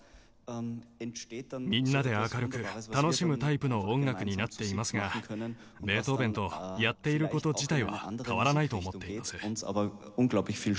みんなで明るく楽しむタイプの音楽になっていますがベートーヴェンとやっている事自体は変わらないと思っています。